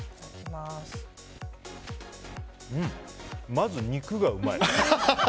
まず肉がうまい。